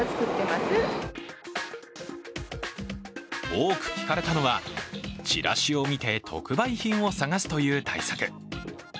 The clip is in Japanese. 多く聞かれたのは、チラシを見て特売品を探すという対策。